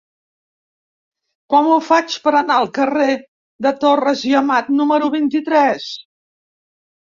Com ho faig per anar al carrer de Torres i Amat número vint-i-tres?